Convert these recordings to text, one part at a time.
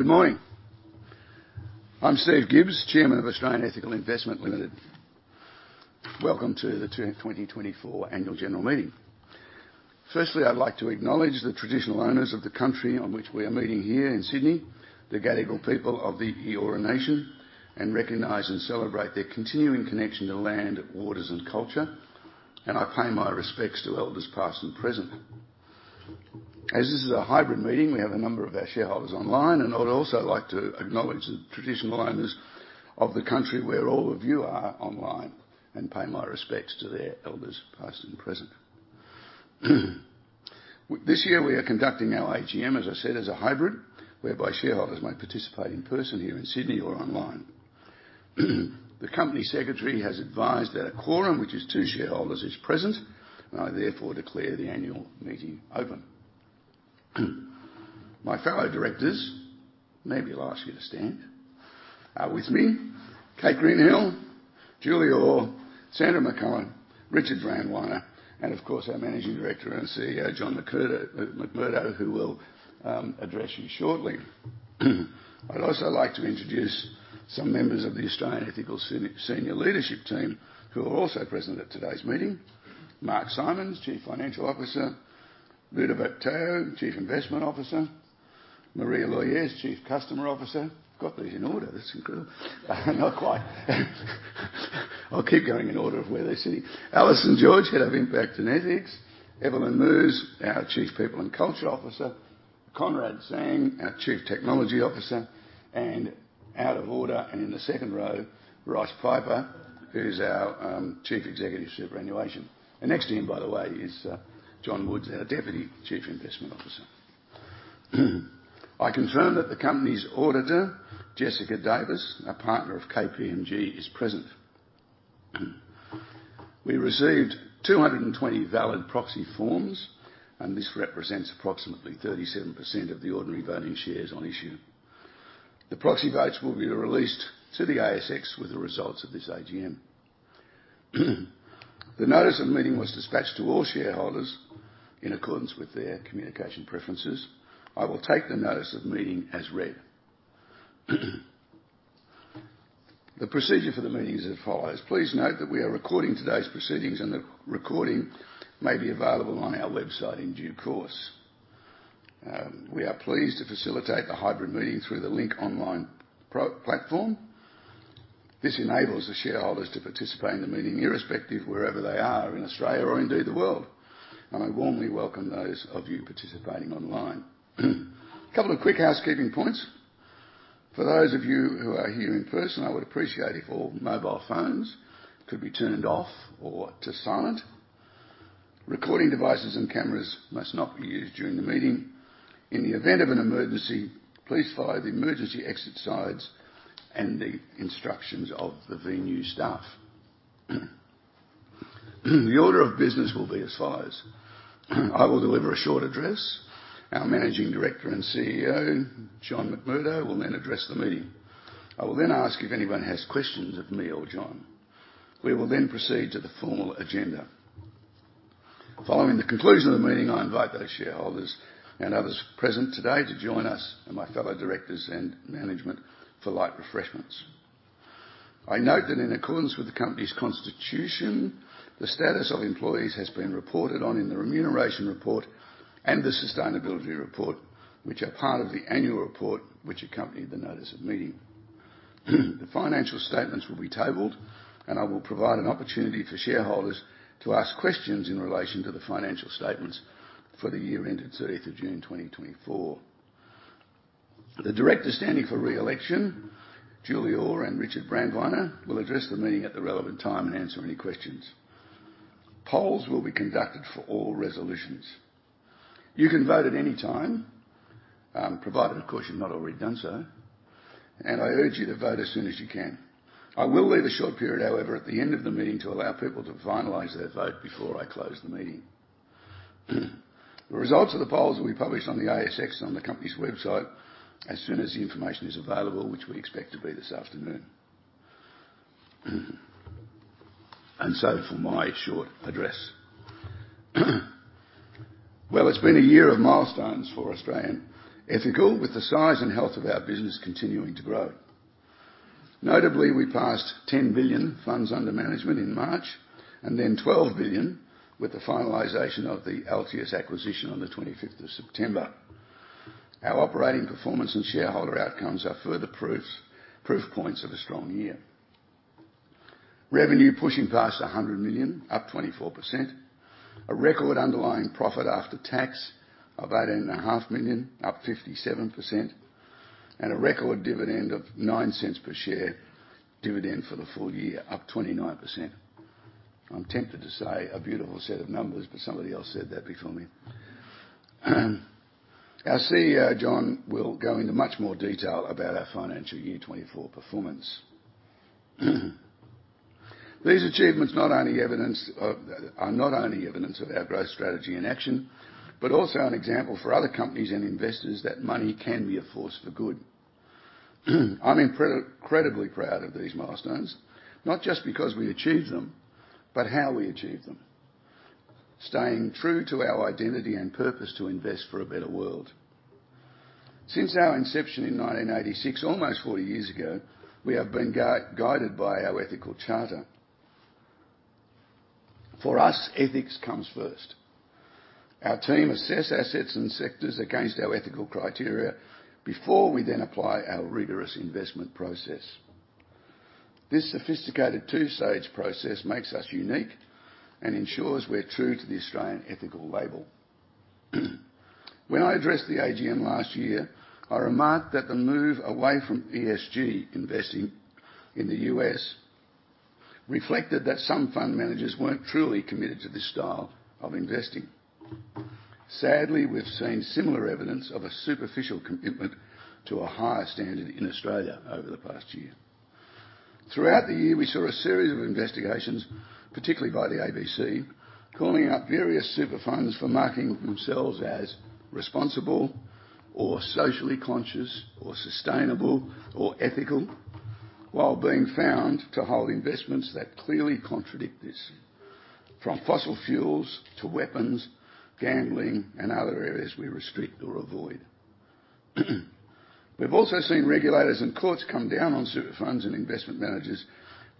Good morning. I'm Steve Gibbs, Chairman of Australian Ethical Investment, Ltd. Welcome to the 2024 Annual General Meeting. Firstly, I'd like to acknowledge the traditional owners of the country on which we are meeting here in Sydney, the Gadigal people of the Eora Nation, and recognize and celebrate their continuing connection to land, waters, and culture. And I pay my respects to Elders past and present. As this is a hybrid meeting, we have a number of our shareholders online, and I'd also like to acknowledge the traditional owners of the country where all of you are online and pay my respects to their Elders past and present. This year we are conducting our AGM, as I said, as a hybrid, whereby shareholders may participate in person here in Sydney or online. The Company Secretary has advised that a quorum, which is two shareholders, is present, and I therefore declare the Annual Meeting open. My fellow directors, maybe I'll ask you to stand, are with me: Kate Greenhill, Julie Orr, Sandra McCullagh, Richard Brandweiner, and of course our Managing Director and CEO, John McMurdo, who will address you shortly. I'd also like to introduce some members of the Australian Ethical Senior Leadership Team who are also present at today's meeting: Mark Simons, Chief Financial Officer; Ludovic Theau, Chief Investment Officer; Maria Loyez, Chief Customer Officer. I've got these in order. That's incredible. I'll keep going in order of where they're sitting. Alison George, Head of Impact and Ethics; Evelyn Muise, our Chief People and Culture Officer; Conrad Tsang, our Chief Technology Officer; and out of order and in the second row, Ross Piper, who's our Chief Executive Superannuation. Next to him, by the way, is John Woods, our Deputy Chief Investment Officer. I confirm that the Company's auditor, Jessica Davis, a partner of KPMG, is present. We received 220 valid proxy forms, and this represents approximately 37% of the ordinary voting shares on issue. The proxy votes will be released to the ASX with the results of this AGM. The notice of meeting was dispatched to all shareholders in accordance with their communication preferences. I will take the notice of meeting as read. The procedure for the meeting is as follows. Please note that we are recording today's proceedings, and the recording may be available on our website in due course. We are pleased to facilitate the hybrid meeting through the Link online platform. This enables the shareholders to participate in the meeting irrespective of wherever they are in Australia or indeed the world. I warmly welcome those of you participating online. A couple of quick housekeeping points. For those of you who are here in person, I would appreciate if all mobile phones could be turned off or to silent. Recording devices and cameras must not be used during the meeting. In the event of an emergency, please follow the emergency exit signs and the instructions of the venue staff. The order of business will be as follows. I will deliver a short address. Our Managing Director and CEO, John McMurdo, will then address the meeting. I will then ask if anyone has questions of me or John. We will then proceed to the formal agenda. Following the conclusion of the meeting, I invite those shareholders and others present today to join us and my fellow directors and management for light refreshments. I note that in accordance with the Company's constitution, the status of employees has been reported on in the remuneration report and the sustainability report, which are part of the annual report which accompanied the notice of meeting. The financial statements will be tabled, and I will provide an opportunity for shareholders to ask questions in relation to the financial statements for the year ended 30th of June 2024. The Directors standing for re-election, Julie Orr and Richard Brandweiner, will address the meeting at the relevant time and answer any questions. Polls will be conducted for all resolutions. You can vote at any time, provided, of course, you've not already done so, and I urge you to vote as soon as you can. I will leave a short period, however, at the end of the meeting to allow people to finalize their vote before I close the meeting. The results of the polls will be published on the ASX and on the Company's website as soon as the information is available, which we expect to be this afternoon. And so for my short address. Well, it's been a year of milestones for Australian Ethical, with the size and health of our business continuing to grow. Notably, we passed 10 billion funds under management in March and then 12 billion with the finalization of the Altius acquisition on the 25th of September. Our operating performance and shareholder outcomes are further proof points of a strong year. Revenue pushing past 100 million, up 24%. A record underlying profit after tax of 18.5 million, up 57%. And a record dividend of 0.09 per share dividend for the full year, up 29%. I'm tempted to say a beautiful set of numbers, but somebody else said that before me. Our CEO, John, will go into much more detail about our financial year 24 performance. These achievements are not only evidence of our growth strategy in action, but also an example for other companies and investors that money can be a force for good. I'm incredibly proud of these milestones, not just because we achieved them, but how we achieved them. Staying true to our identity and purpose to invest for a better world. Since our inception in 1986, almost 40 years ago, we have been guided by our ethical charter. For us, ethics comes first. Our team assess assets and sectors against our ethical criteria before we then apply our rigorous investment process. This sophisticated two-stage process makes us unique and ensures we're true to the Australian Ethical label. When I addressed the AGM last year, I remarked that the move away from ESG investing in the U.S. reflected that some fund managers weren't truly committed to this style of investing. Sadly, we've seen similar evidence of a superficial commitment to a higher standard in Australia over the past year. Throughout the year, we saw a series of investigations, particularly by the ABC, calling out various super funds for marking themselves as responsible or socially conscious or sustainable or ethical, while being found to hold investments that clearly contradict this. From fossil fuels to weapons, gambling, and other areas we restrict or avoid. We've also seen regulators and courts come down on super funds and investment managers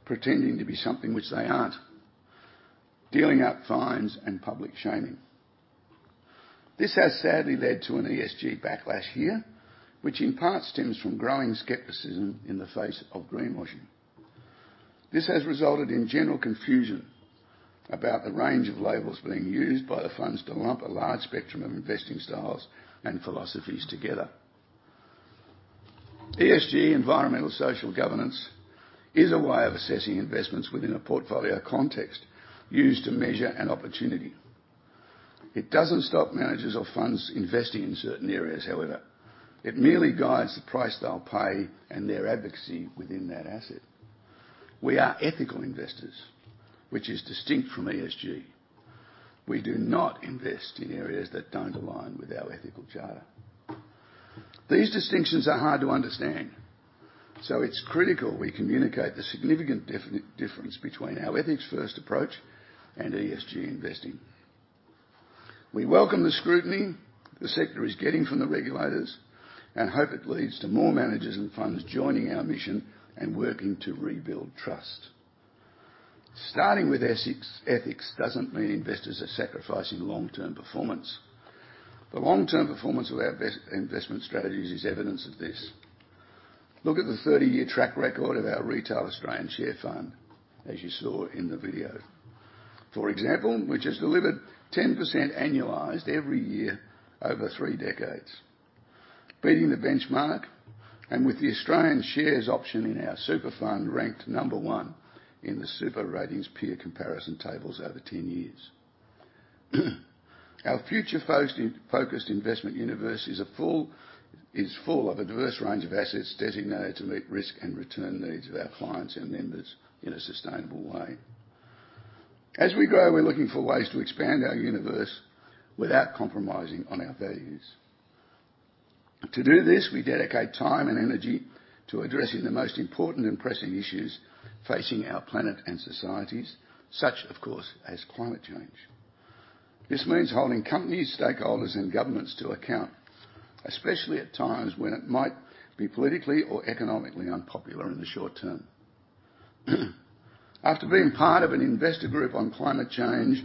pretending to be something which they aren't, dishing out fines and public shaming. This has sadly led to an ESG backlash here, which in part stems from growing skepticism in the face of greenwashing. This has resulted in general confusion about the range of labels being used by the funds to lump a large spectrum of investing styles and philosophies together. ESG, Environmental Social Governance, is a way of assessing investments within a portfolio context used to measure an opportunity. It doesn't stop managers or funds investing in certain areas, however. It merely guides the price they'll pay and their advocacy within that asset. We are ethical investors, which is distinct from ESG. We do not invest in areas that don't align with our ethical charter. These distinctions are hard to understand, so it's critical we communicate the significant difference between our ethics-first approach and ESG investing. We welcome the scrutiny the sector is getting from the regulators and hope it leads to more managers and funds joining our mission and working to rebuild trust. Starting with ethics doesn't mean investors are sacrificing long-term performance. The long-term performance of our investment strategies is evidence of this. Look at the 30-year track record of our retail Australian share fund, as you saw in the video. For example, we just delivered 10% annualized every year over three decades, beating the benchmark, and with the Australian shares option in our super fund ranked number one in the SuperRatings peer comparison tables over 10 years. Our future-focused investment universe is full of a diverse range of assets designated to meet risk and return needs of our clients and members in a sustainable way. As we grow, we're looking for ways to expand our universe without compromising on our values. To do this, we dedicate time and energy to addressing the most important and pressing issues facing our planet and societies, such, of course, as climate change. This means holding companies, stakeholders, and governments to account, especially at times when it might be politically or economically unpopular in the short term. After being part of an Investor Group on Climate Change,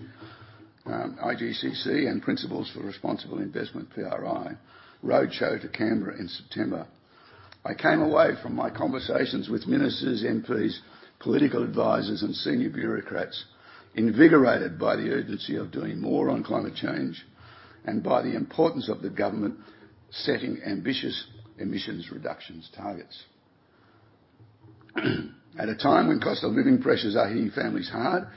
IGCC, and Principles for Responsible Investment, PRI, roadshow to Canberra in September, I came away from my conversations with ministers, MPs, political advisors, and senior bureaucrats invigorated by the urgency of doing more on climate change and by the importance of the government setting ambitious emissions reduction targets. At a time when cost of living pressures are hitting families hard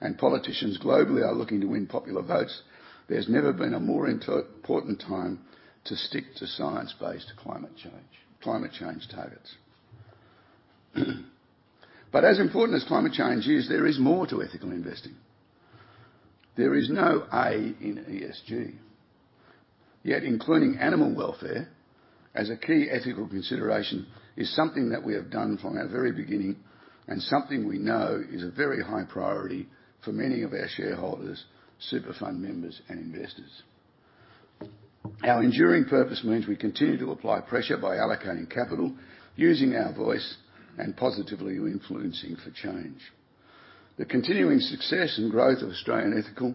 and politicians globally are looking to win popular votes, there's never been a more important time to stick to science-based climate change targets. But as important as climate change is, there is more to ethical investing. There is no A in ESG. Yet including animal welfare as a key ethical consideration is something that we have done from our very beginning and something we know is a very high priority for many of our shareholders, super fund members, and investors. Our enduring purpose means we continue to apply pressure by allocating capital, using our voice, and positively influencing for change. The continuing success and growth of Australian Ethical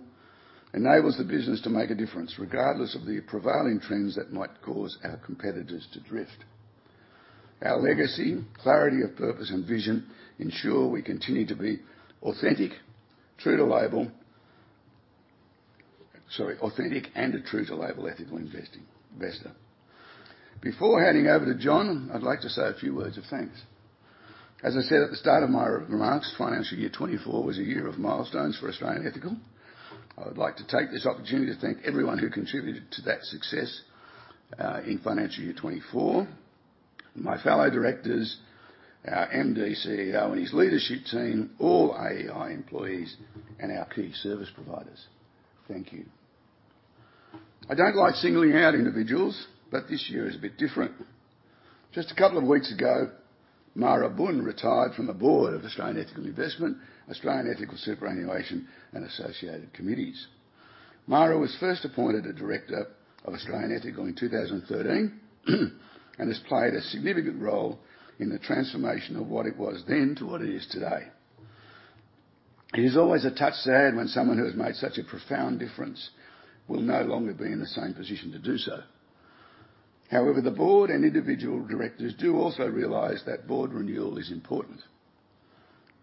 enables the business to make a difference regardless of the prevailing trends that might cause our competitors to drift. Our legacy, clarity of purpose, and vision ensure we continue to be authentic, true to label, sorry, authentic and a true to label ethical investor. Before handing over to John, I'd like to say a few words of thanks. As I said at the start of my remarks, financial year 24 was a year of milestones for Australian Ethical. I would like to take this opportunity to thank everyone who contributed to that success in financial year 24: my fellow directors, our MD, CEO, and his leadership team, all AEI employees, and our key service providers. Thank you. I don't like singling out individuals, but this year is a bit different. Just a couple of weeks ago, Mara Bún retired from the board of Australian Ethical Investment, Australian Ethical Superannuation, and associated committees. Mara Bún was first appointed a director of Australian Ethical in 2013 and has played a significant role in the transformation of what it was then to what it is today. It is always a touch sad when someone who has made such a profound difference will no longer be in the same position to do so. However, the board and individual directors do also realize that board renewal is important.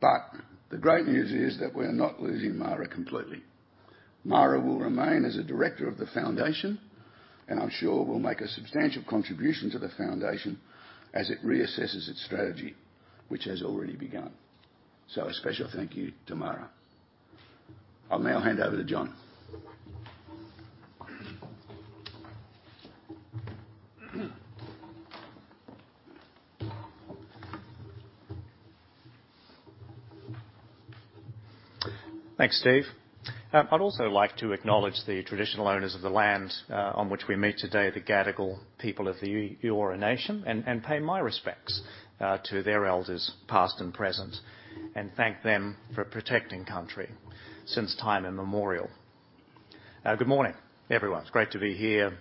But the great news is that we're not losing Mara completely. Mara will remain as a director of the foundation, and I'm sure will make a substantial contribution to the foundation as it reassesses its strategy, which has already begun. So a special thank you to Mara. I'll now hand over to John. Thanks, Steve. I'd also like to acknowledge the traditional owners of the land on which we meet today, the Gadigal people of the Eora Nation, and pay my respects to their Elders, past and present, and thank them for protecting country since time immemorial. Good morning, everyone. It's great to be here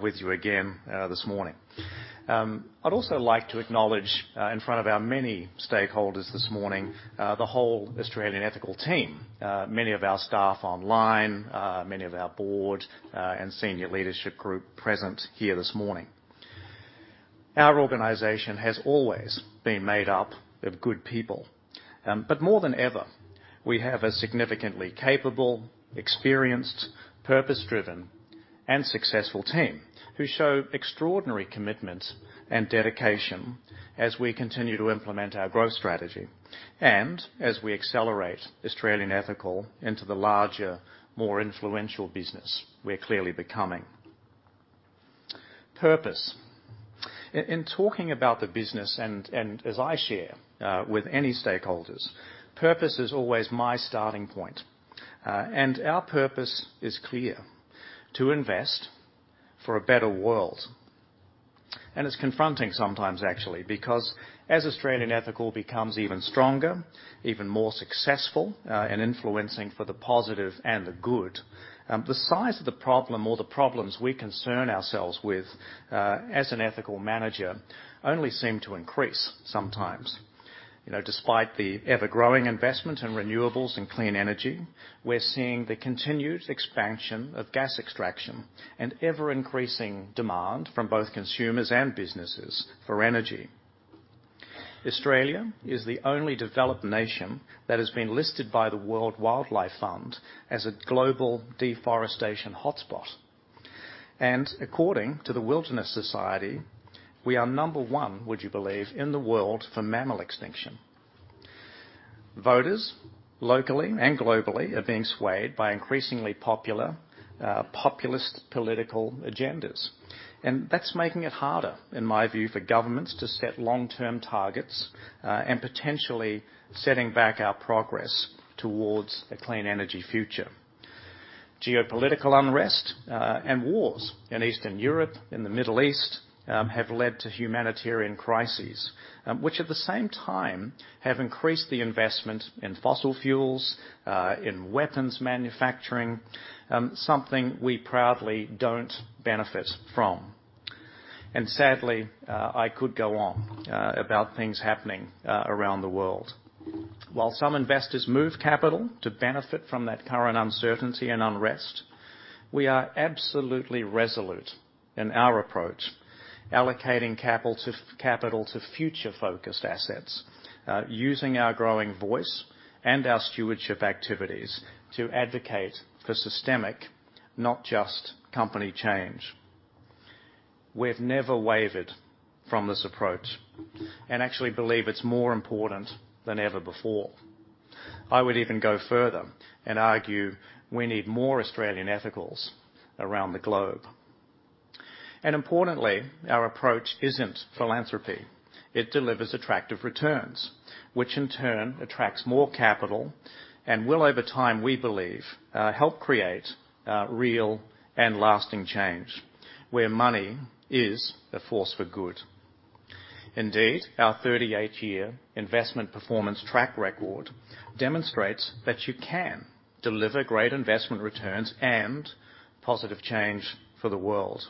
with you again this morning. I'd also like to acknowledge, in front of our many stakeholders this morning, the whole Australian Ethical team, many of our staff online, many of our board, and senior leadership group present here this morning. Our organization has always been made up of good people, but more than ever, we have a significantly capable, experienced, purpose-driven, and successful team who show extraordinary commitment and dedication as we continue to implement our growth strategy and as we accelerate Australian Ethical into the larger, more influential business we're clearly becoming. Purpose. In talking about the business, and as I share with any stakeholders, purpose is always my starting point. And our purpose is clear: to invest for a better world. And it's confronting sometimes, actually, because as Australian Ethical becomes even stronger, even more successful, and influencing for the positive and the good, the size of the problem or the problems we concern ourselves with as an ethical manager only seem to increase sometimes. Despite the ever-growing investment in renewables and clean energy, we're seeing the continued expansion of gas extraction and ever-increasing demand from both consumers and businesses for energy. Australia is the only developed nation that has been listed by the World Wildlife Fund as a global deforestation hotspot. And according to the Wilderness Society, we are number one, would you believe, in the world for mammal extinction. Voters locally and globally are being swayed by increasingly popular populist political agendas. That's making it harder, in my view, for governments to set long-term targets and potentially setting back our progress towards a clean energy future. Geopolitical unrest and wars in Eastern Europe, in the Middle East, have led to humanitarian crises, which at the same time have increased the investment in fossil fuels, in weapons manufacturing, something we proudly don't benefit from. Sadly, I could go on about things happening around the world. While some investors move capital to benefit from that current uncertainty and unrest, we are absolutely resolute in our approach, allocating capital to future-focused assets, using our growing voice and our stewardship activities to advocate for systemic, not just company change. We've never wavered from this approach and actually believe it's more important than ever before. I would even go further and argue we need more Australian Ethicals around the globe, and importantly, our approach isn't philanthropy. It delivers attractive returns, which in turn attracts more capital and will, over time, we believe, help create real and lasting change where money is a force for good. Indeed, our 38-year investment performance track record demonstrates that you can deliver great investment returns and positive change for the world,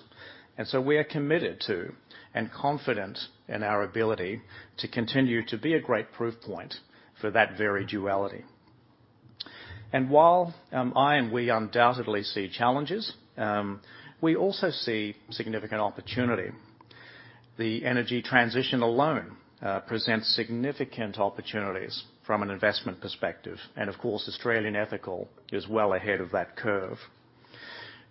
and so we are committed to and confident in our ability to continue to be a great proof point for that very duality. And while I and we undoubtedly see challenges, we also see significant opportunity. The energy transition alone presents significant opportunities from an investment perspective, and of course, Australian Ethical is well ahead of that curve.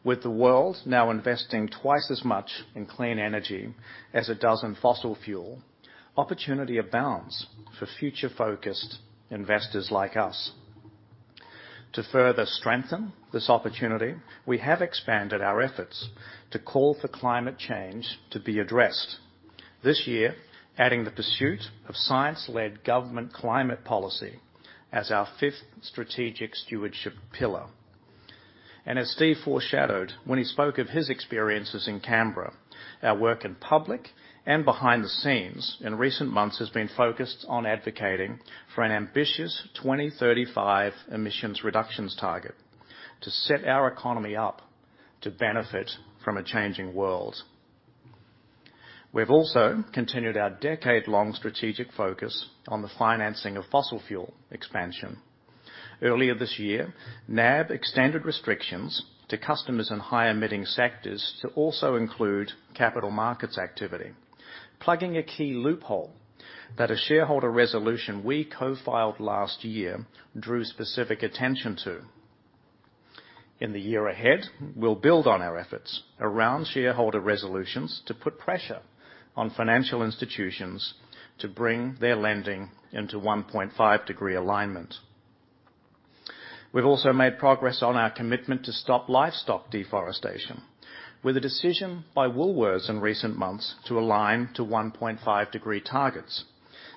With the world now investing twice as much in clean energy as it does in fossil fuel, opportunity abounds for future-focused investors like us. To further strengthen this opportunity, we have expanded our efforts to call for climate change to be addressed. This year, adding the pursuit of science-led government climate policy as our fifth strategic stewardship pillar, and as Steve foreshadowed when he spoke of his experiences in Canberra, our work in public and behind the scenes in recent months has been focused on advocating for an ambitious 2035 emissions reductions target to set our economy up to benefit from a changing world. We've also continued our decade-long strategic focus on the financing of fossil fuel expansion. Earlier this year, NAB extended restrictions to customers in high-emitting sectors to also include capital markets activity, plugging a key loophole that a shareholder resolution we co-filed last year drew specific attention to. In the year ahead, we'll build on our efforts around shareholder resolutions to put pressure on financial institutions to bring their lending into 1.5-degree alignment. We've also made progress on our commitment to stop livestock deforestation with a decision by Woolworths in recent months to align to 1.5-degree targets,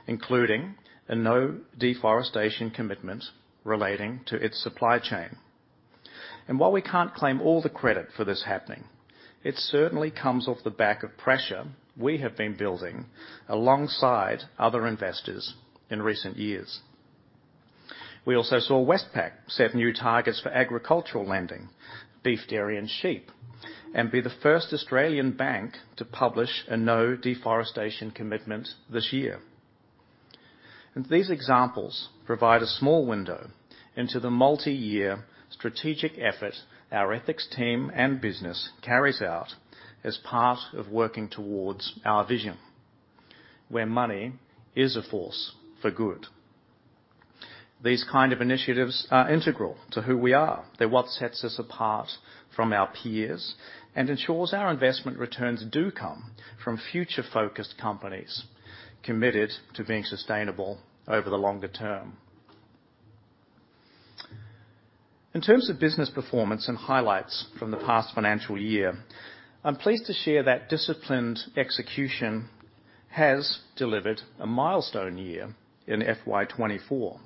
including a no-deforestation commitment relating to its supply chain. While we can't claim all the credit for this happening, it certainly comes off the back of pressure we have been building alongside other investors in recent years. We also saw Westpac set new targets for agricultural lending, beef, dairy, and sheep, and be the first Australian bank to publish a no-deforestation commitment this year. These examples provide a small window into the multi-year strategic effort our ethics team and business carries out as part of working towards our vision where money is a force for good. These kind of initiatives are integral to who we are. They're what sets us apart from our peers and ensures our investment returns do come from future-focused companies committed to being sustainable over the longer term. In terms of business performance and highlights from the past financial year, I'm pleased to share that disciplined execution has delivered a milestone year in FY24.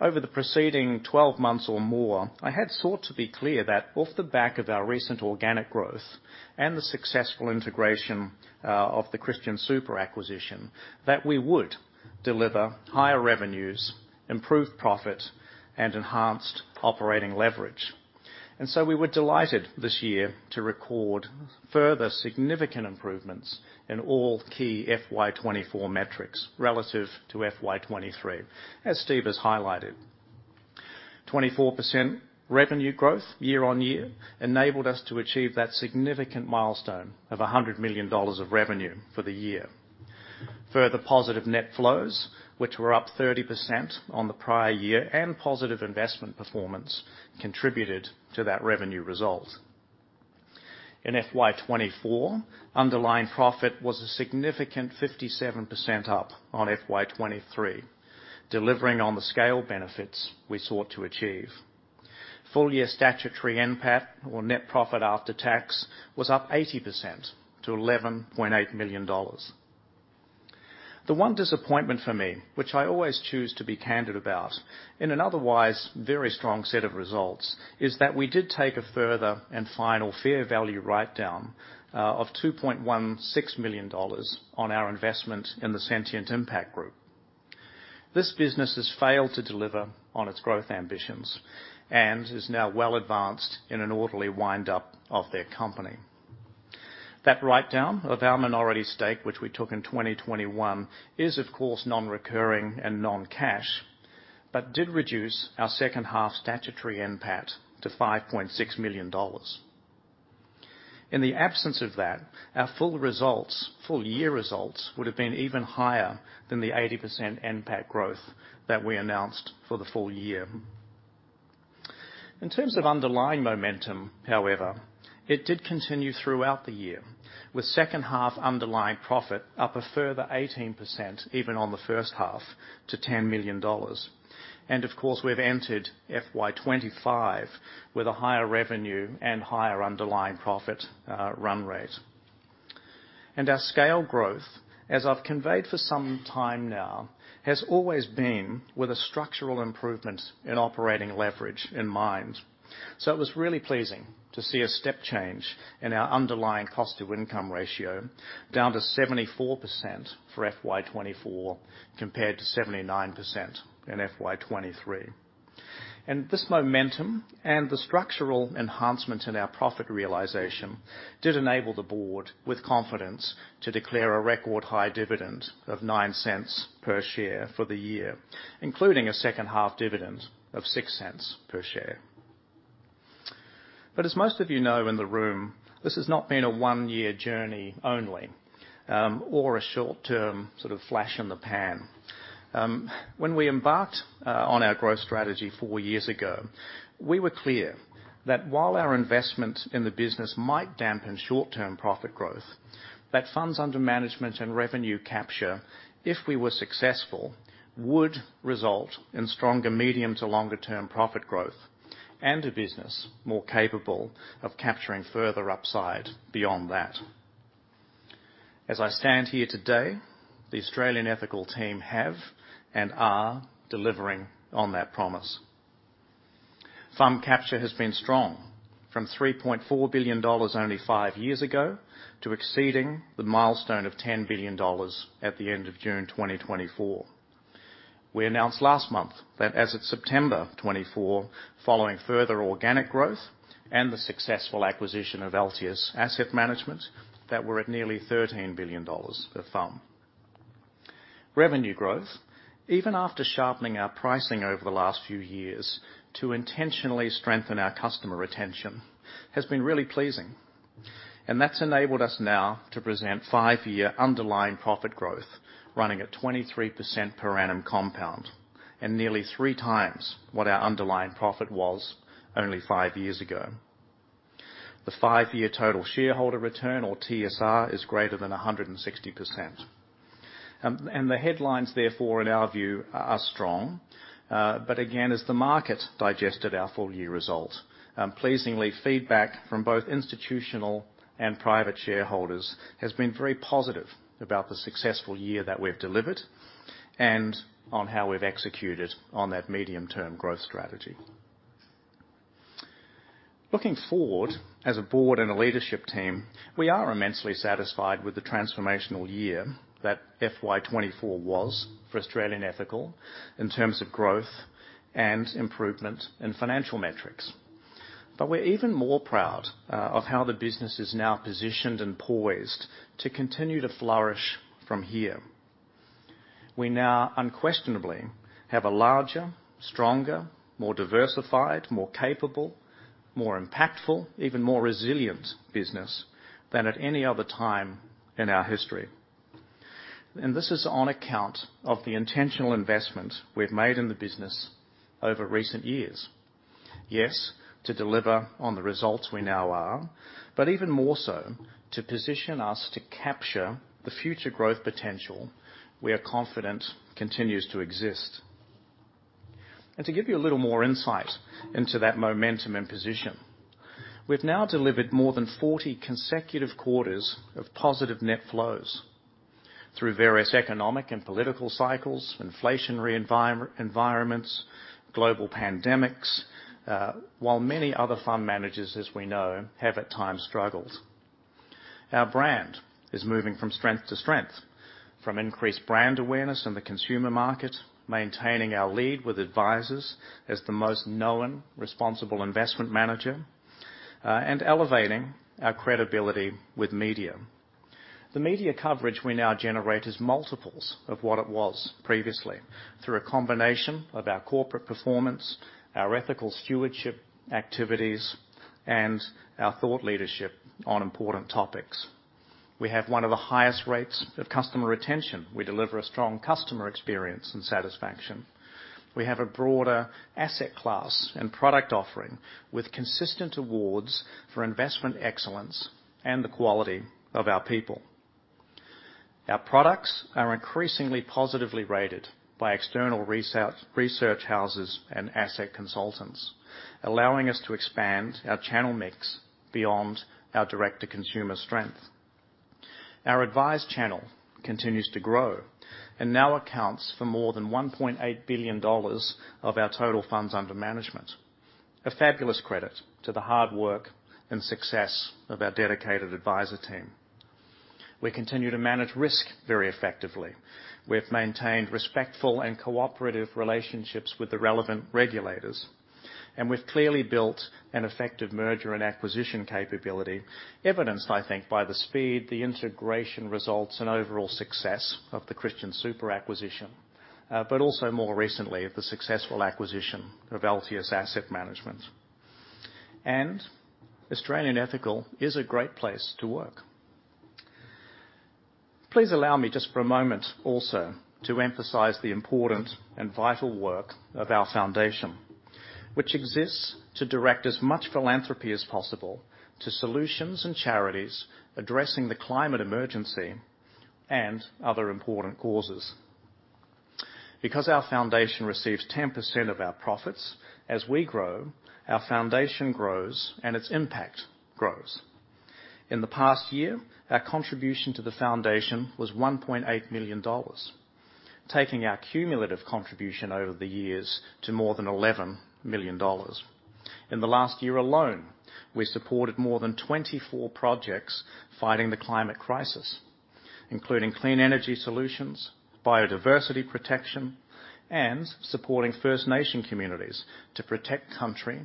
Over the preceding 12 months or more, I had sought to be clear that off the back of our recent organic growth and the successful integration of the Christian Super acquisition, that we would deliver higher revenues, improved profit, and enhanced operating leverage. And so we were delighted this year to record further significant improvements in all key FY24 metrics relative to FY23, as Steve has highlighted. 24% revenue growth year on year enabled us to achieve that significant milestone of 100 million dollars of revenue for the year. Further positive net flows, which were up 30% on the prior year, and positive investment performance contributed to that revenue result. In FY24, underlying profit was a significant 57% up on FY23, delivering on the scale benefits we sought to achieve. Full-year statutory NPAT, or net profit after tax, was up 80% to 11.8 million dollars. The one disappointment for me, which I always choose to be candid about in an otherwise very strong set of results, is that we did take a further and final fair value write-down of 2.16 million dollars on our investment in the Sentient Impact Group. This business has failed to deliver on its growth ambitions and is now well advanced in an orderly windup of their company. That write-down of our minority stake, which we took in 2021, is of course non-recurring and non-cash, but did reduce our second half statutory NPAT to AUD 5.6 million. In the absence of that, our full year results would have been even higher than the 80% NPAT growth that we announced for the full year. In terms of underlying momentum, however, it did continue throughout the year, with second half underlying profit up a further 18%, even on the first half, to 10 million dollars. And of course, we've entered FY25 with a higher revenue and higher underlying profit run rate. And our scale growth, as I've conveyed for some time now, has always been with a structural improvement in operating leverage in mind. It was really pleasing to see a step change in our underlying cost-to-income ratio down to 74% for FY24 compared to 79% in FY23. This momentum and the structural enhancement in our profit realisation did enable the board with confidence to declare a record high dividend of 0.09 per share for the year, including a second half dividend of 0.06 per share. As most of you know in the room, this has not been a one-year journey only or a short-term sort of flash in the pan. When we embarked on our growth strategy four years ago, we were clear that while our investment in the business might dampen short-term profit growth, that funds under management and revenue capture, if we were successful, would result in stronger medium to longer-term profit growth and a business more capable of capturing further upside beyond that. As I stand here today, the Australian Ethical team have and are delivering on that promise. Funds under management has been strong from 3.4 billion dollars only five years ago to exceeding the milestone of 10 billion dollars at the end of June 2024. We announced last month that as of September 24, following further organic growth and the successful acquisition of Altius Asset Management, that we're at nearly 13 billion dollars of funds. Revenue growth, even after sharpening our pricing over the last few years to intentionally strengthen our customer retention, has been really pleasing. And that's enabled us now to present five-year underlying profit growth running at 23% per annum compound and nearly three times what our underlying profit was only five years ago. The five-year total shareholder return, or TSR, is greater than 160%. And the headlines, therefore, in our view, are strong. But again, as the market digested our full-year result, pleasingly, feedback from both institutional and private shareholders has been very positive about the successful year that we've delivered and on how we've executed on that medium-term growth strategy. Looking forward, as a board and a leadership team, we are immensely satisfied with the transformational year that FY24 was for Australian Ethical in terms of growth and improvement in financial metrics. But we're even more proud of how the business is now positioned and poised to continue to flourish from here. We now unquestionably have a larger, stronger, more diversified, more capable, more impactful, even more resilient business than at any other time in our history. And this is on account of the intentional investment we've made in the business over recent years. Yes, to deliver on the results we now are, but even more so to position us to capture the future growth potential we are confident continues to exist, and to give you a little more insight into that momentum and position. We've now delivered more than 40 consecutive quarters of positive net flows through various economic and political cycles, inflationary environments, global pandemics, while many other fund managers, as we know, have at times struggled. Our brand is moving from strength to strength, from increased brand awareness in the consumer market, maintaining our lead with advisors as the most known responsible investment manager, and elevating our credibility with media. The media coverage we now generate is multiples of what it was previously through a combination of our corporate performance, our ethical stewardship activities, and our thought leadership on important topics. We have one of the highest rates of customer retention. We deliver a strong customer experience and satisfaction. We have a broader asset class and product offering with consistent awards for investment excellence and the quality of our people. Our products are increasingly positively rated by external research houses and asset consultants, allowing us to expand our channel mix beyond our direct-to-consumer strength. Our advised channel continues to grow and now accounts for more than 1.8 billion dollars of our total funds under management, a fabulous credit to the hard work and success of our dedicated advisor team. We continue to manage risk very effectively. We've maintained respectful and cooperative relationships with the relevant regulators, and we've clearly built an effective merger and acquisition capability, evidenced, I think, by the speed, the integration results, and overall success of the Christian Super acquisition, but also more recently of the successful acquisition of Altius Asset Management. Australian Ethical is a great place to work. Please allow me just for a moment also to emphasize the important and vital work of our foundation, which exists to direct as much philanthropy as possible to solutions and charities addressing the climate emergency and other important causes. Because our foundation receives 10% of our profits as we grow, our foundation grows and its impact grows. In the past year, our contribution to the foundation was 1.8 million dollars, taking our cumulative contribution over the years to more than 11 million dollars. In the last year alone, we supported more than 24 projects fighting the climate crisis, including clean energy solutions, biodiversity protection, and supporting First Nations communities to protect country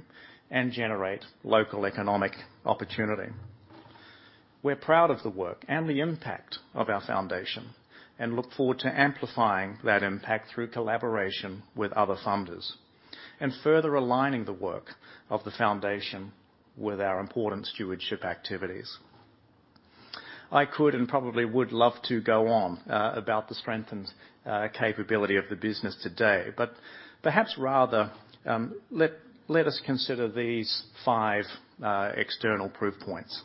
and generate local economic opportunity. We're proud of the work and the impact of our foundation and look forward to amplifying that impact through collaboration with other funders and further aligning the work of the foundation with our important stewardship activities. I could and probably would love to go on about the strength and capability of the business today, but perhaps rather let us consider these five external proof points.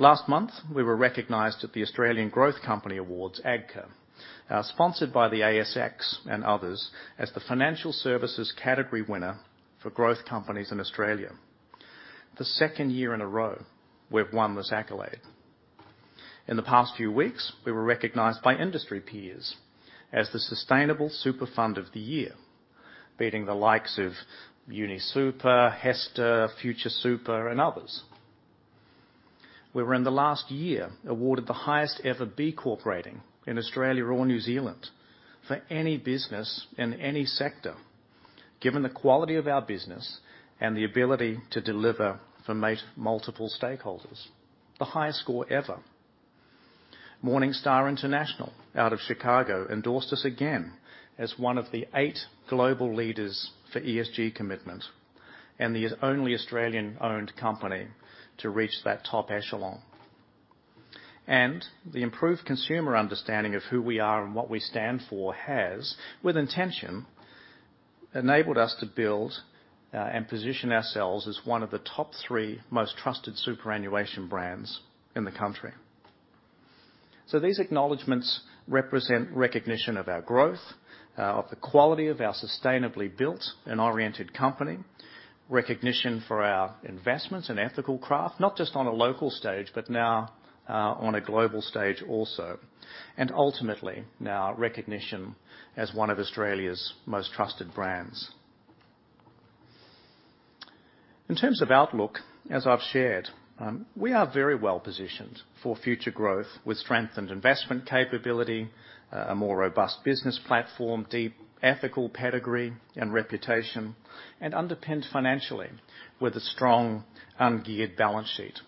Last month, we were recognized at the Australian Growth Company Awards, AGCA, sponsored by the ASX and others as the Financial Services Category Winner for Growth Companies in Australia. The second year in a row, we've won this accolade. In the past few weeks, we were recognized by industry peers as the Sustainable Super Fund of the Year, beating the likes of UniSuper, HESTA, Future Super, and others. We were in the last year awarded the highest-ever B Corp rating in Australia or New Zealand for any business in any sector, given the quality of our business and the ability to deliver for multiple stakeholders, the highest score ever. Morningstar International out of Chicago endorsed us again as one of the eight global leaders for ESG commitment and the only Australian-owned company to reach that top echelon, and the improved consumer understanding of who we are and what we stand for has, with intention, enabled us to build and position ourselves as one of the top three most trusted superannuation brands in the country. So these acknowledgments represent recognition of our growth, of the quality of our sustainably built and oriented company, recognition for our investments and ethical craft, not just on a local stage, but now on a global stage also, and ultimately now recognition as one of Australia's most trusted brands. In terms of outlook, as I've shared, we are very well positioned for future growth with strengthened investment capability, a more robust business platform, deep ethical pedigree and reputation, and underpinned financially with a strong ungeared balance sheet.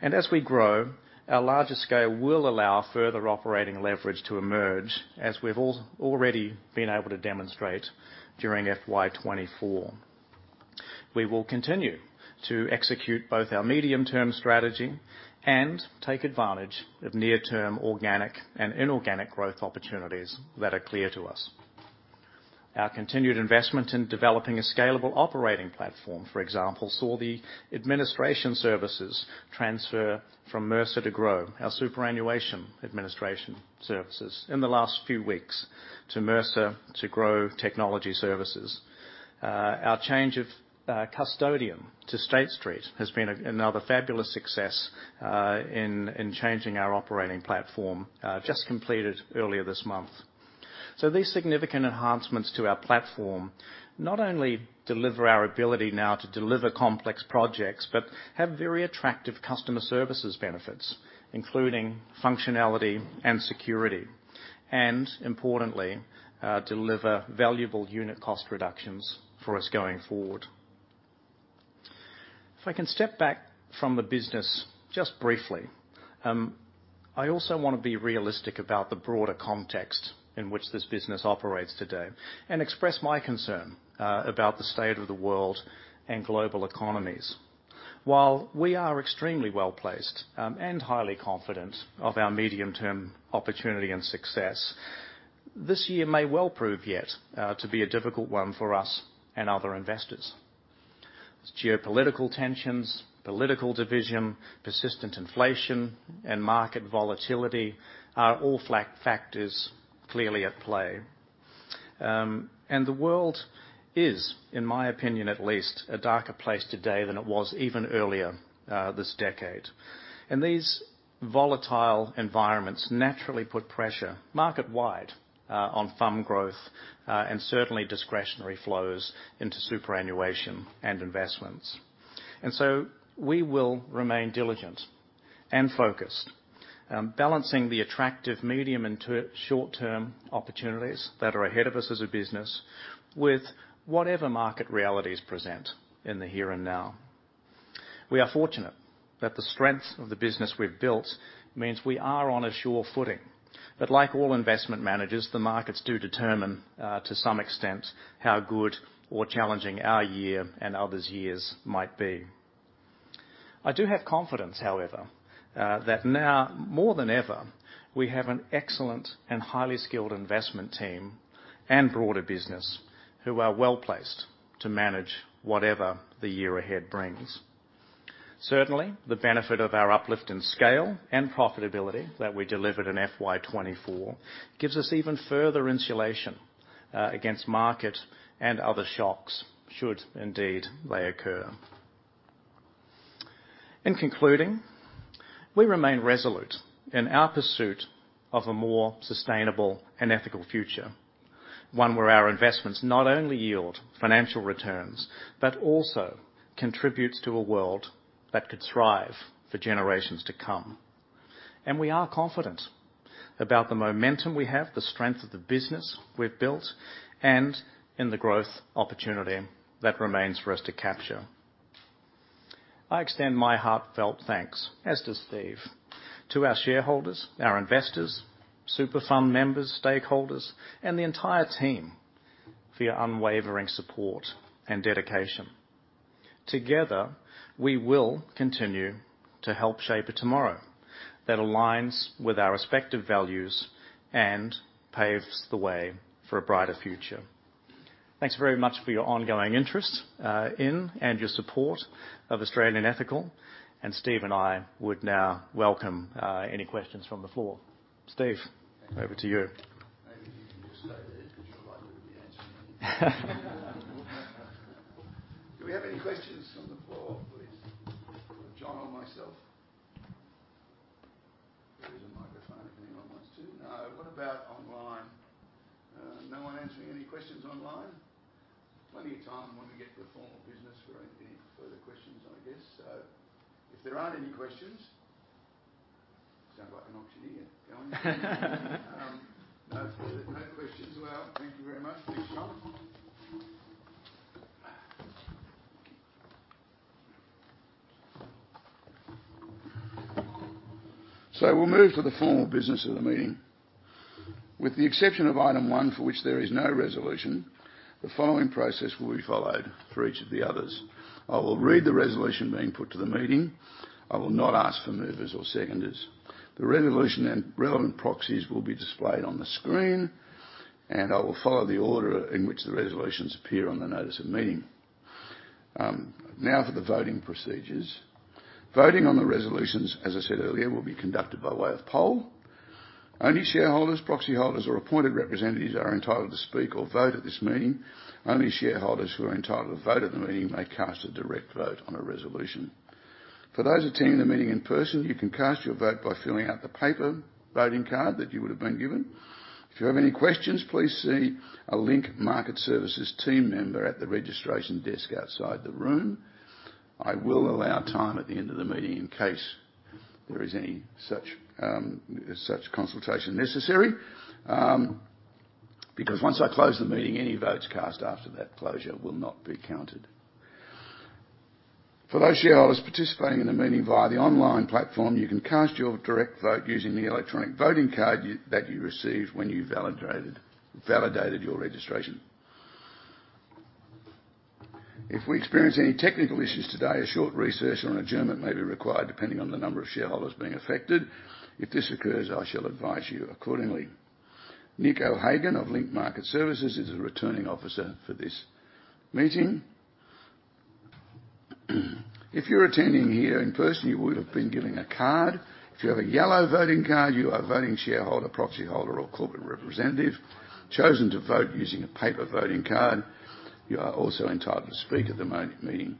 And as we grow, our larger scale will allow further operating leverage to emerge, as we've already been able to demonstrate during FY24. We will continue to execute both our medium-term strategy and take advantage of near-term organic and inorganic growth opportunities that are clear to us. Our continued investment in developing a scalable operating platform, for example, saw the administration services transfer from Mercer to Grow Technology Services, our superannuation administration services, in the last few weeks. Our change of custodian to State Street has been another fabulous success in changing our operating platform, just completed earlier this month. So these significant enhancements to our platform not only deliver our ability now to deliver complex projects, but have very attractive customer services benefits, including functionality and security, and importantly, deliver valuable unit cost reductions for us going forward. If I can step back from the business just briefly, I also want to be realistic about the broader context in which this business operates today and express my concern about the state of the world and global economies. While we are extremely well placed and highly confident of our medium-term opportunity and success, this year may well prove yet to be a difficult one for us and other investors. Geopolitical tensions, political division, persistent inflation, and market volatility are all factors clearly at play. And the world is, in my opinion at least, a darker place today than it was even earlier this decade. And these volatile environments naturally put pressure market-wide on fund growth and certainly discretionary flows into superannuation and investments. And so we will remain diligent and focused, balancing the attractive medium and short-term opportunities that are ahead of us as a business with whatever market realities present in the here and now. We are fortunate that the strength of the business we've built means we are on a sure footing. But like all investment managers, the markets do determine to some extent how good or challenging our year and others' years might be. I do have confidence, however, that now more than ever, we have an excellent and highly skilled investment team and broader business who are well placed to manage whatever the year ahead brings. Certainly, the benefit of our uplift in scale and profitability that we delivered in FY24 gives us even further insulation against market and other shocks should indeed they occur. In concluding, we remain resolute in our pursuit of a more sustainable and ethical future, one where our investments not only yield financial returns but also contribute to a world that could thrive for generations to come. And we are confident about the momentum we have, the strength of the business we've built, and in the growth opportunity that remains for us to capture. I extend my heartfelt thanks, as does Steve, to our shareholders, our investors, super fund members, stakeholders, and the entire team for your unwavering support and dedication. Together, we will continue to help shape a tomorrow that aligns with our respective values and paves the way for a brighter future. Thanks very much for your ongoing interest in and your support of Australian Ethical, and Steve and I would now welcome any questions from the floor. Steve, over to you. Do we have any questions from the floor, please? John or myself? There is a microphone if anyone wants to. No. What about online? No one answering any questions online? Plenty of time when we get to the formal business for any further questions, I guess, so if there aren't any questions, sounds like an auctioneer. Go on. No questions. Well, thank you very much. Please, John. So we'll move to the formal business of the meeting. With the exception of item one, for which there is no resolution, the following process will be followed for each of the others. I will read the resolution being put to the meeting. I will not ask for movers or seconders. The resolution and relevant proxies will be displayed on the screen, and I will follow the order in which the resolutions appear on the notice of meeting. Now for the voting procedures. Voting on the resolutions, as I said earlier, will be conducted by way of poll. Only shareholders, proxy holders, or appointed representatives are entitled to speak or vote at this meeting. Only shareholders who are entitled to vote at the meeting may cast a direct vote on a resolution. For those attending the meeting in person, you can cast your vote by filling out the paper voting card that you would have been given. If you have any questions, please see a Link Market Services team member at the registration desk outside the room. I will allow time at the end of the meeting in case there is any such consultation necessary. Because once I close the meeting, any votes cast after that closure will not be counted. For those shareholders participating in the meeting via the online platform, you can cast your direct vote using the electronic voting card that you received when you validated your registration. If we experience any technical issues today, a short recess or an adjournment may be required depending on the number of shareholders being affected. If this occurs, I shall advise you accordingly. Nick O'Hagan of Link Market Services is a returning officer for this meeting. If you're attending here in person, you would have been given a card. If you have a yellow voting card, you are a voting shareholder, proxy holder, or corporate representative chosen to vote using a paper voting card. You are also entitled to speak at the meeting.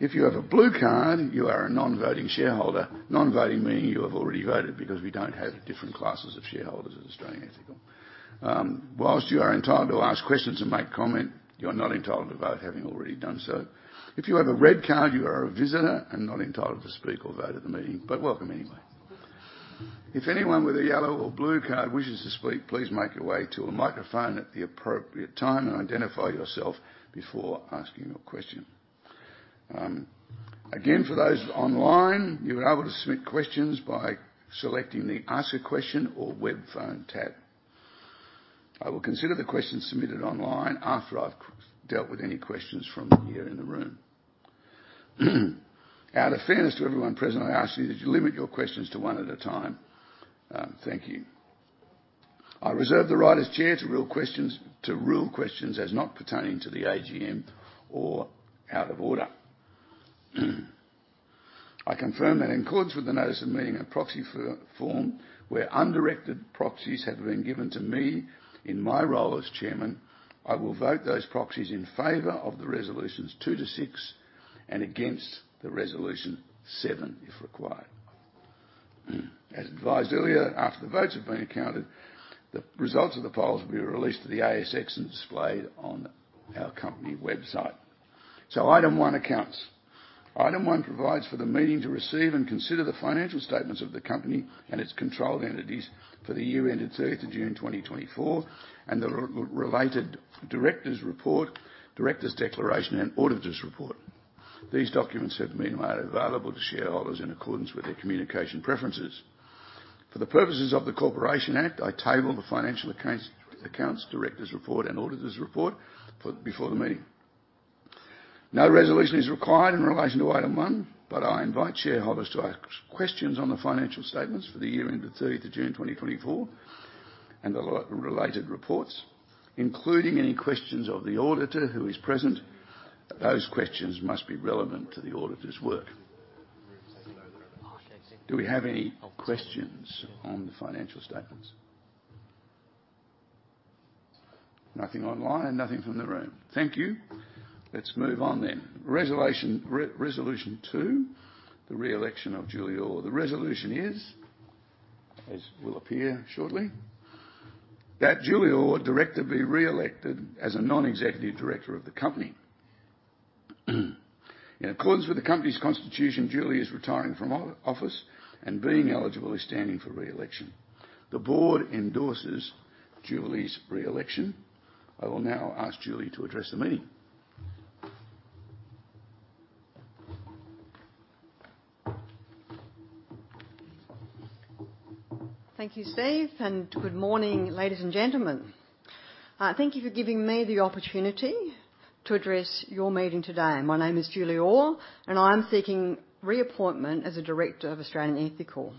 If you have a blue card, you are a non-voting shareholder. Non-voting meaning you have already voted because we don't have different classes of shareholders at Australian Ethical. While you are entitled to ask questions and make comment, you are not entitled to vote having already done so. If you have a red card, you are a visitor and not entitled to speak or vote at the meeting, but welcome anyway. If anyone with a yellow or blue card wishes to speak, please make your way to a microphone at the appropriate time and identify yourself before asking your question. Again, for those online, you are able to submit questions by selecting the Ask a Question or Web Phone tab. I will consider the questions submitted online after I've dealt with any questions from here in the room. Out of fairness to everyone present, I ask you to limit your questions to one at a time. Thank you. I reserve the right as chair to rule questions as not pertaining to the AGM or out of order. I confirm that in accordance with the notice of meeting and proxy form, where undirected proxies have been given to me in my role as Chairman, I will vote those proxies in favor of the resolutions two to six and against the resolution seven if required. As advised earlier, after the votes have been counted, the results of the polls will be released to the ASX and displayed on our company website. Item one accounts. Item one provides for the meeting to receive and consider the financial statements of the company and its controlled entities for the year ended 30th of June 2024 and the related Directors' Report, Directors' Declaration, and Auditor's Report. These documents have been made available to shareholders in accordance with their communication preferences. For the purposes of the Corporations Act, I table the financial accounts, Directors' Report, and auditor's report before the meeting. No resolution is required in relation to item one, but I invite shareholders to ask questions on the financial statements for the year ended 30th of June 2024 and the related reports, including any questions of the auditor who is present. Those questions must be relevant to the auditor's work. Do we have any questions on the financial statements? Nothing online and nothing from the room. Thank you. Let's move on then. Resolution two, the reelection of Julie Orr. The resolution is, as will appear shortly, that Julie Orr, director, be reelected as a non-executive director of the company. In accordance with the company's constitution, Julie is retiring from office and being eligible, is standing for reelection. The board endorses Julie's reelection. I will now ask Julie to address the meeting. Thank you, Steve, and good morning, ladies and gentlemen. Thank you for giving me the opportunity to address your meeting today. My name is Julie Orr, and I am seeking reappointment as a director of Australian Ethical.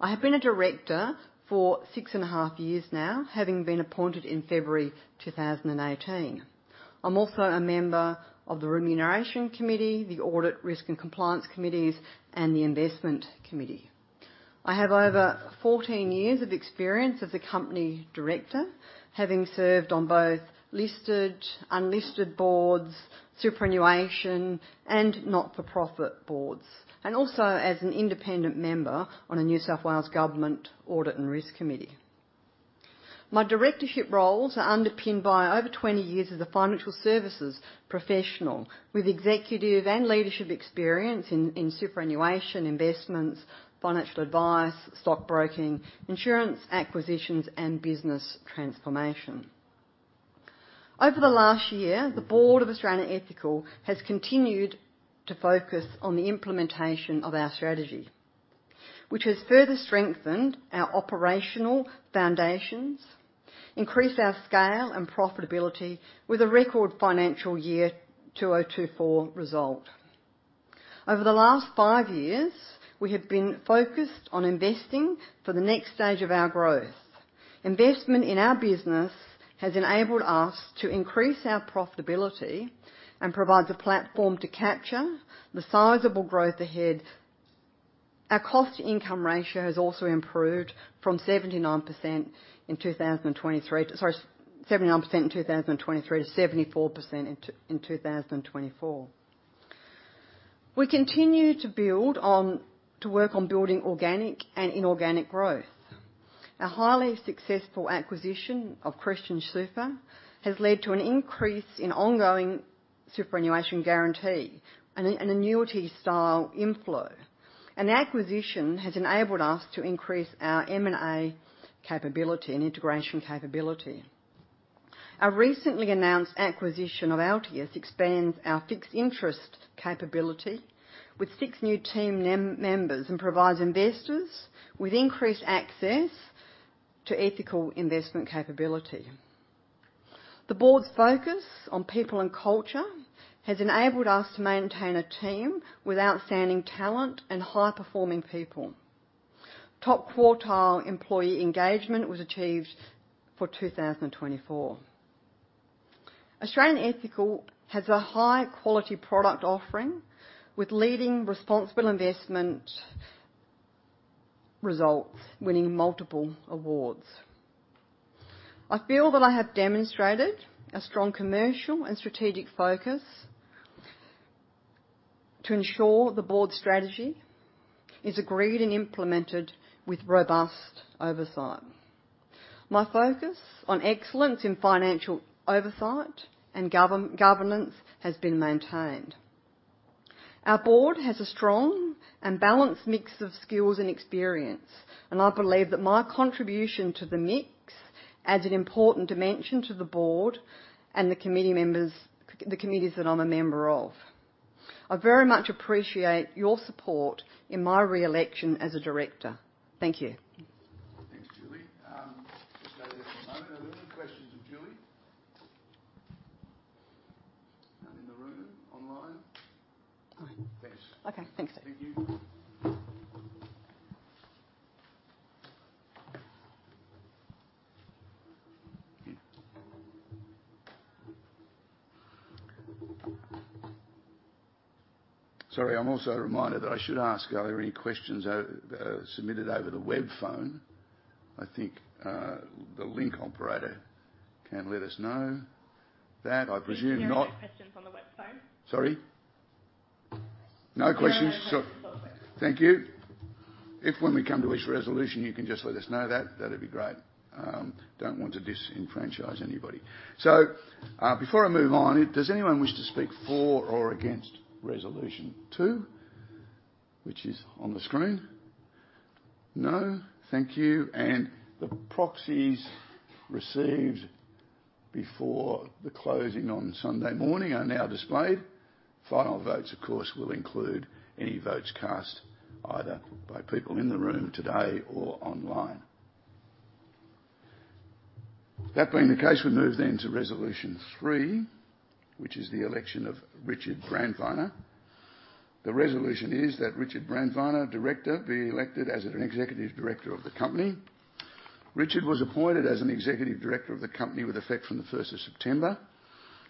I have been a director for six and a half years now, having been appointed in February 2018. I'm also a member of the Remuneration Committee, the Audit Risk and Compliance Committees, and the Investment Committee. I have over 14 years of experience as a company director, having served on both listed, unlisted boards, superannuation, and not-for-profit boards, and also as an independent member on a New South Wales Government Audit and Risk Committee. My directorship roles are underpinned by over 20 years as a financial services professional with executive and leadership experience in superannuation, investments, financial advice, stockbroking, insurance acquisitions, and business transformation. Over the last year, the board of Australian Ethical has continued to focus on the implementation of our strategy, which has further strengthened our operational foundations, increased our scale and profitability with a record financial year 2024 result. Over the last five years, we have been focused on investing for the next stage of our growth. Investment in our business has enabled us to increase our profitability and provides a platform to capture the sizable growth ahead. Our cost-to-income ratio has also improved from 79% in 2023 to 74% in 2024. We continue to work on building organic and inorganic growth. A highly successful acquisition of Christian Super has led to an increase in ongoing superannuation guarantee and annuity-style inflow, and the acquisition has enabled us to increase our M&A capability and integration capability. Our recently announced acquisition of Altius expands our fixed interest capability with six new team members and provides investors with increased access to ethical investment capability. The board's focus on people and culture has enabled us to maintain a team with outstanding talent and high-performing people. Top quartile employee engagement was achieved for 2024. Australian Ethical has a high-quality product offering with leading responsible investment results, winning multiple awards. I feel that I have demonstrated a strong commercial and strategic focus to ensure the board's strategy is agreed and implemented with robust oversight. My focus on excellence in financial oversight and governance has been maintained. Our board has a strong and balanced mix of skills and experience, and I believe that my contribution to the mix adds an important dimension to the board and the committees that I'm a member of. I very much appreciate your support in my reelection as a director. Thank you. Thanks, Julie. Just stay there for a moment. Are there any questions for Julie? None in the room, online? No. Thanks. Okay. Thanks, Steve. Thank you. Sorry, I'm also reminded that I should ask, are there any questions submitted over the web phone? I think the Link operator can let us know that. I presume not. We have no questions on the web phone. Sorry? No questions? Sorry. Thank you. If, when we come to each resolution, you can just let us know that, that'd be great. Don't want to disenfranchise anybody. So before I move on, does anyone wish to speak for or against resolution two, which is on the screen? No? Thank you. And the proxies received before the closing on Sunday morning are now displayed. Final votes, of course, will include any votes cast either by people in the room today or online. That being the case, we move then to resolution three, which is the election of Richard Brandweiner. The resolution is that Richard Brandweiner, director, be elected as an executive director of the company. Richard was appointed as an executive director of the company with effect from the 1st of September,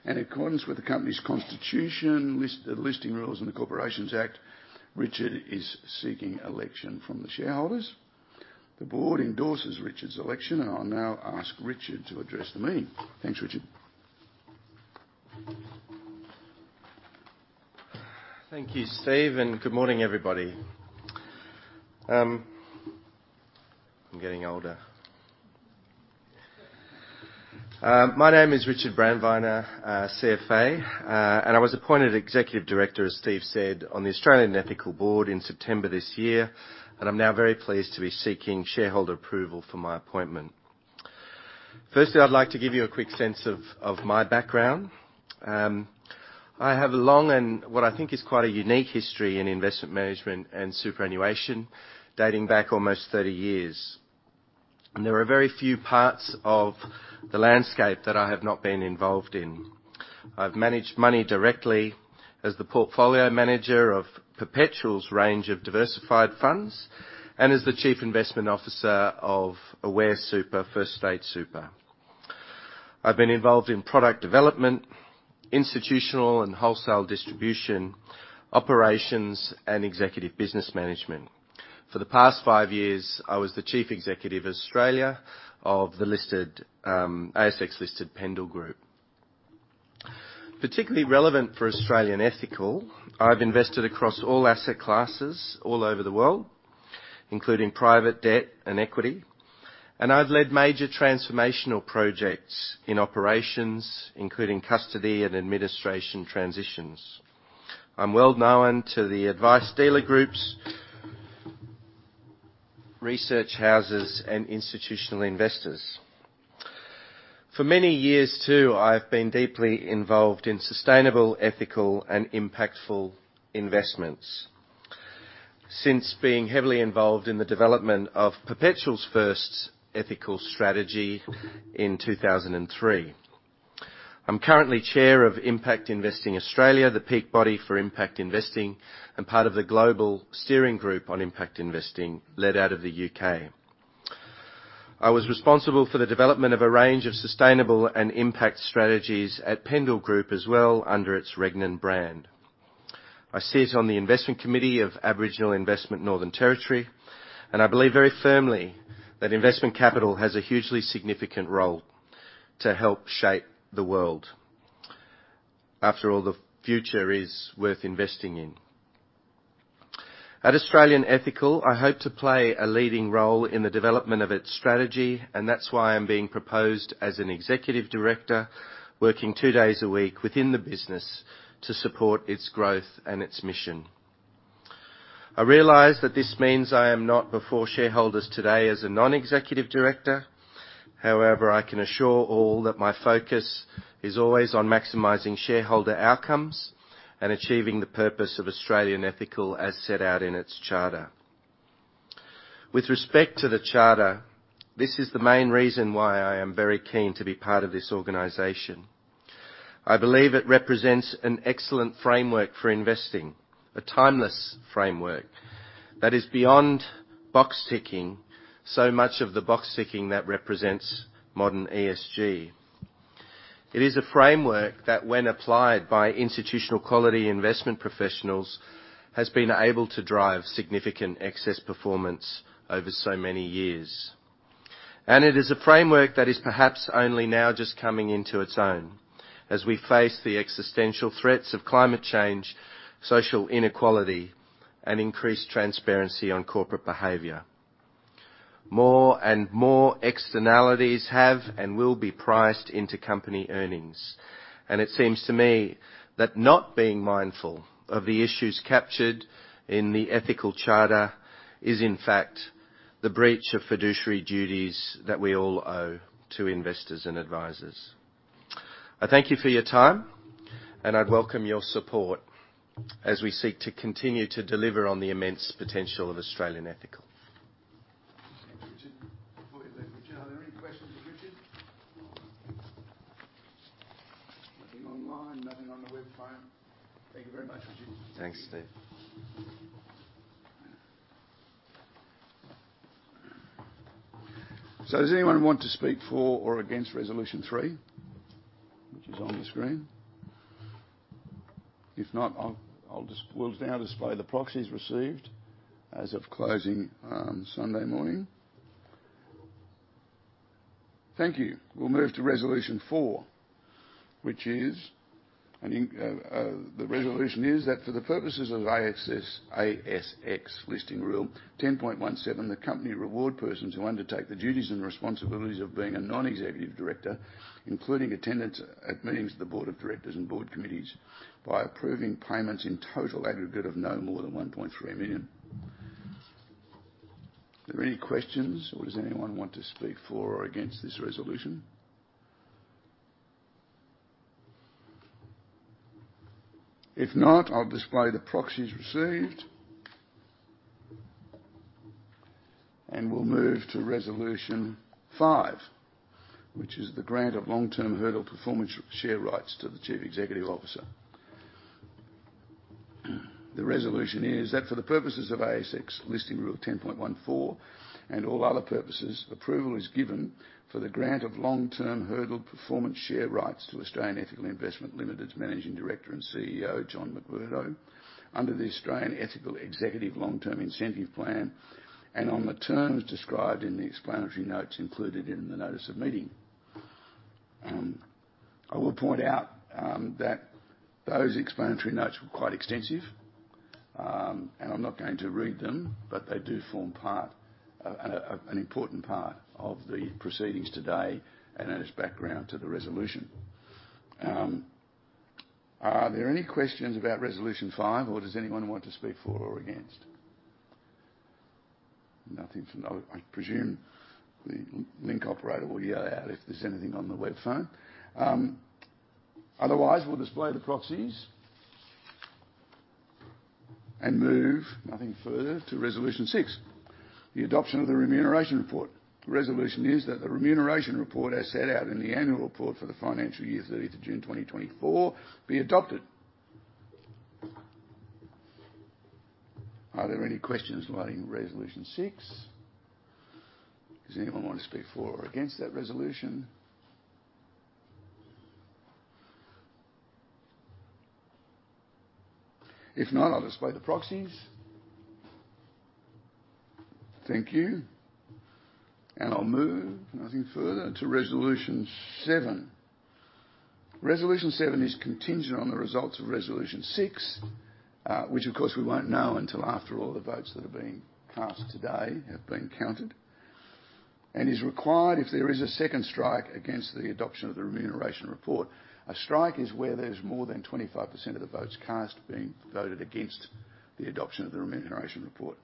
and in accordance with the company's constitution, the listing rules, and the Corporations Act, Richard is seeking election from the shareholders. The board endorses Richard's election, and I'll now ask Richard to address the meeting. Thanks, Richard. Thank you, Steve, and good morning, everybody. I'm getting older. My name is Richard Brandweiner, CFA, and I was appointed Executive Director, as Steve said, on the Australian Ethical Board in September this year, and I'm now very pleased to be seeking shareholder approval for my appointment. Firstly, I'd like to give you a quick sense of my background. I have a long and what I think is quite a unique history in investment management and superannuation dating back almost 30 years. There are very few parts of the landscape that I have not been involved in. I've managed money directly as the portfolio manager of Perpetual's range of diversified funds and as the Chief Investment Officer of Aware Super, First State Super. I've been involved in product development, institutional and wholesale distribution operations, and executive business management. For the past five years, I was the Chief Executive of Australia of the ASX-listed Pendal Group. Particularly relevant for Australian Ethical, I've invested across all asset classes all over the world, including private debt and equity, and I've led major transformational projects in operations, including custody and administration transitions. I'm well known to the advice dealer groups, research houses, and institutional investors. For many years too, I've been deeply involved in sustainable, ethical, and impactful investments since being heavily involved in the development of Perpetual's first ethical strategy in 2003. I'm currently chair of Impact Investing Australia, the peak body for impact investing, and part of the Global Steering Group on impact investing led out of the UK. I was responsible for the development of a range of sustainable and impact strategies at Pendal Group as well under its Regnan brand. I sit on the investment committee of Aboriginal Investment NT, and I believe very firmly that investment capital has a hugely significant role to help shape the world, after all, the future is worth investing in. At Australian Ethical, I hope to play a leading role in the development of its strategy, and that's why I'm being proposed as an executive director working two days a week within the business to support its growth and its mission. I realize that this means I am not before shareholders today as a non-executive director, however, I can assure all that my focus is always on maximizing shareholder outcomes and achieving the purpose of Australian Ethical as set out in its charter. With respect to the charter, this is the main reason why I am very keen to be part of this organization. I believe it represents an excellent framework for investing, a timeless framework that is beyond box-ticking so much of the box-ticking that represents modern ESG. It is a framework that, when applied by institutional quality investment professionals, has been able to drive significant excess performance over so many years, and it is a framework that is perhaps only now just coming into its own as we face the existential threats of climate change, social inequality, and increased transparency on corporate behavior. More and more externalities have and will be priced into company earnings, and it seems to me that not being mindful of the issues captured in the ethical charter is, in fact, the breach of fiduciary duties that we all owe to investors and advisors. I thank you for your time, and I'd welcome your support as we seek to continue to deliver on the immense potential of Australian Ethical. Thank you, Richard. Are there any questions for Richard? Nothing online, nothing on the web phone. Thank you very much, Richard. Thanks, Steve. So does anyone want to speak for or against resolution three, which is on the screen? If not, I'll now display the proxies received as of closing Sunday morning. Thank you. We'll move to resolution four, which is the resolution that for the purposes of ASX listing rule 10.17, the company rewards persons who undertake the duties and responsibilities of being a non-executive director, including attendance at meetings of the board of directors and board committees, by approving payments in total aggregate of no more than 1.3 million. Are there any questions, or does anyone want to speak for or against this resolution? If not, I'll display the proxies received, and we'll move to resolution five, which is the grant of long-term hurdle performance share rights to the Chief Executive Officer. The resolution is that for the purposes of ASX listing rule 10.14 and all other purposes, approval is given for the grant of long-term hurdle performance share rights to Australian Ethical Investment Limited's Managing Director and CEO, John McMurdo, under the Australian Ethical Executive Long-Term Incentive Plan and on the terms described in the explanatory notes included in the notice of meeting. I will point out that those explanatory notes were quite extensive, and I'm not going to read them, but they do form an important part of the proceedings today and add its background to the resolution. Are there any questions about resolution five, or does anyone want to speak for or against? Nothing from. I presume the Link operator will yell out if there's anything on the web phone. Otherwise, we'll display the proxies and move nothing further to resolution six, the adoption of the remuneration report. The resolution is that the remuneration report as set out in the annual report for the financial year 30th of June 2024 be adopted. Are there any questions regarding resolution six? Does anyone want to speak for or against that resolution? If not, I'll display the proxies. Thank you. And I'll move nothing further to resolution seven. Resolution seven is contingent on the results of resolution six, which, of course, we won't know until after all the votes that are being cast today have been counted and is required if there is a second strike against the adoption of the remuneration report. A strike is where there's more than 25% of the votes cast being voted against the adoption of the remuneration report.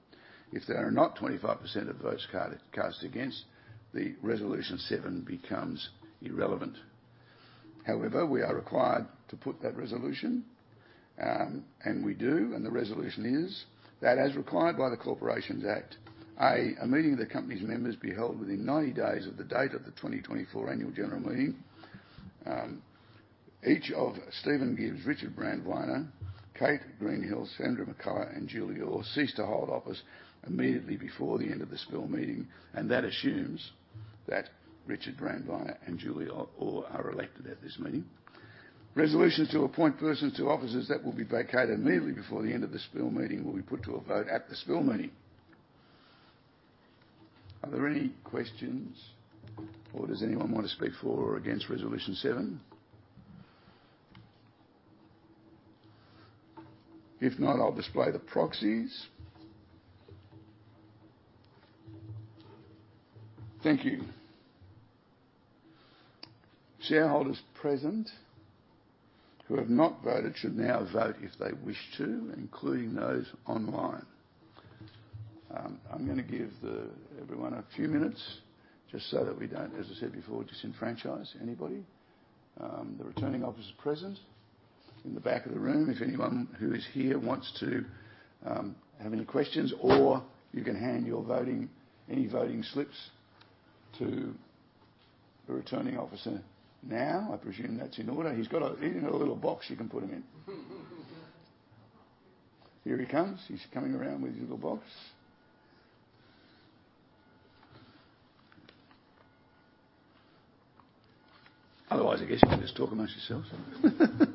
If there are not 25% of votes cast against, the resolution seven becomes irrelevant. However, we are required to put that resolution, and we do, and the resolution is that as required by the Corporations Act, a meeting of the company's members be held within 90 days of the date of the 2024 Annual General Meeting. Each of Steve Gibbs, Richard Brandweiner, Kate Greenhill, Sandra McCullagh, and Julie Orr cease to hold office immediately before the end of the spill meeting, and that assumes that Richard Brandweiner and Julie Orr are elected at this meeting. Resolutions to appoint persons to offices that will be vacated immediately before the end of the spill meeting will be put to a vote at the spill meeting. Are there any questions, or does anyone want to speak for or against resolution seven? If not, I'll display the proxies. Thank you. Shareholders present who have not voted should now vote if they wish to, including those online. I'm going to give everyone a few minutes just so that we don't, as I said before, disenfranchise anybody. The returning officer is present in the back of the room. If anyone who is here wants to have any questions, or you can hand any voting slips to the returning officer now. I presume that's in order. He's got a little box you can put him in. Here he comes. He's coming around with his little box. Otherwise, I guess you can just talk amongst yourselves.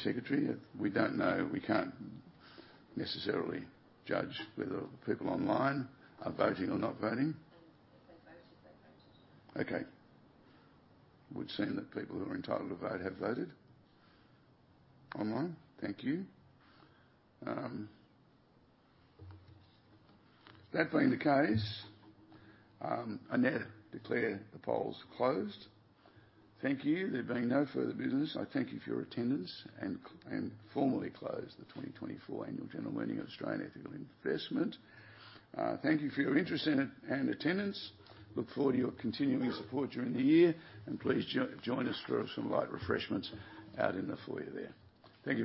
Okay. Nobody else in the room? What do you think, company secretary? We don't know. We can't necessarily judge whether people online are voting or not voting. If they voted, they voted. Okay. Would seem that people who are entitled to vote have voted online. Thank you. That being the case, I now declare the polls closed. Thank you. There being no further business, I thank you for your attendance and formally close the 2024 Annual General Meeting of Australian Ethical Investment. Thank you for your interest and attendance. Look forward to your continuing support during the year, and please join us for some light refreshments out in the foyer there. Thank you.